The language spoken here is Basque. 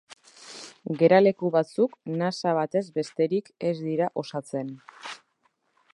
Geraleku batzuk nasa batez besterik ez dira osatzen.